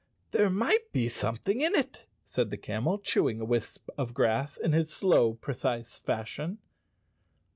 'There might be something in it," said the camel, 106 _ Chapter Eight chewing a wisp of grass in his slow precise fashion.